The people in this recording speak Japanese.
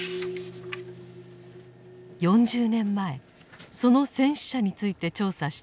４０年前その戦死者について調査した澤地さん。